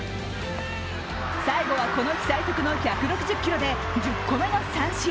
最後はこの日最速の１６０キロで１０個目の三振。